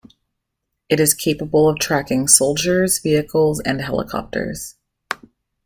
It is capable of tracking soldiers, vehicles and helicopters.